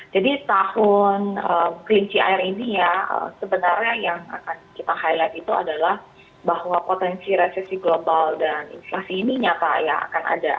jadi tahun kelinci air ini ya sebenarnya yang akan kita highlight itu adalah bahwa potensi resesi global dan insulasi ini nyata ya akan ada